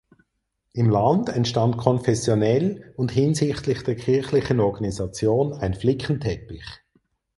Im Land entstand konfessionell und hinsichtlich der kirchlichen Organisation ein Flickenteppich.